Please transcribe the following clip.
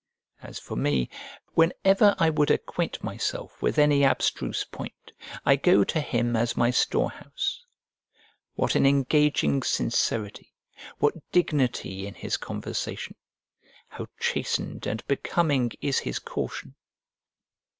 As for me, whenever I would acquaint myself with any abstruse point, I go to him as my store house. What an engaging sincerity, what dignity in his conversation! how chastened and becoming is his caution!